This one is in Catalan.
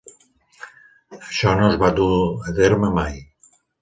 Això no es va dur a terme mai.